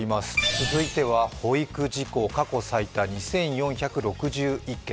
続いては保育事故、過去最多２４６１件。